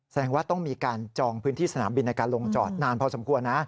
แสดงว่าต้องมีการจองพื้นที่สนามบินในการลงจอดนานพอสมควรนะ